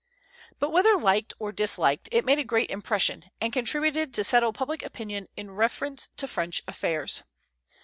But whether liked or disliked, it made a great impression, and contributed to settle public opinion in reference to French affairs.